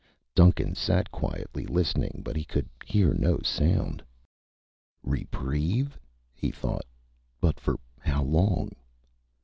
Duncan sat quietly, listening, but he could hear no sound. Reprieve, he thought. But for how long?